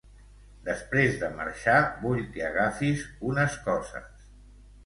Després de marxar, vull que agafis unes coses.